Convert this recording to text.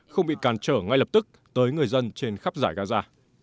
không bị càn trở ngay lập tức tới người dân trên khắp giải gaza